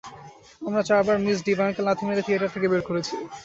আমরা চারবার মিস ডিভাইনকে লাথি মেরে থিয়েটার থেকে বের করেছি।